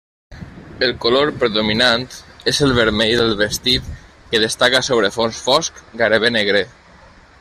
El color predominant és el vermell del vestit que destaca sobre fons fosc, gairebé negre.